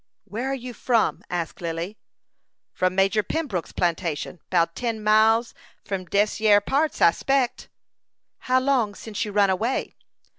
"Where are you from?" asked Lily. "From Major Pembroke's plantation, 'bout ten mile from dese yere parts, I speck." "How long since you run away?"